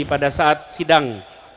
pada saat sidang